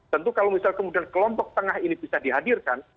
tentu kalau misal kemudian kelompok tengah ini bisa dihadirkan